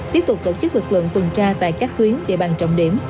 tiếp tục tổ chức lực lượng tuần tra tại các tuyến địa bàn trọng điểm